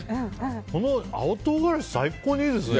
この青唐辛子最高にいいですね。